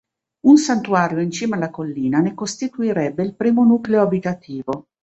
Un santuario in cima alla collina ne costituirebbe il primo nucleo abitativo.